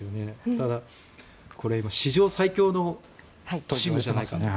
ただ、史上最強のチームじゃないかと。